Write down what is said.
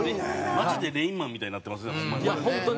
マジで『レインマン』みたいになってますねホンマに。